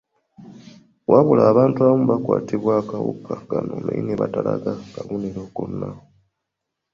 Wabula, abantu abamu bakwatibwa akawuka kano naye ne batalaga kabonero konna.